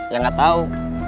ya gak tau